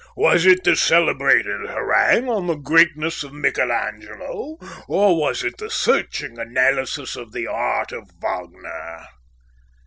Was it the celebrated harangue on the greatness of Michelangelo, or was it the searching analysis of the art of Wagner?"